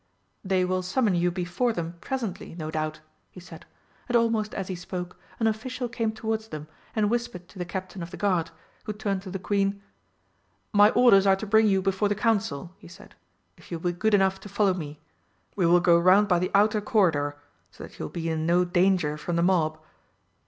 "They will summon you before them presently, no doubt," he said, and almost as he spoke an official came towards them and whispered to the Captain of the Guard, who turned to the Queen: "My orders are to bring you before the Council," he said, "if you will be good enough to follow me. We will go round by the outer corridor, so that you will be in no danger from the mob."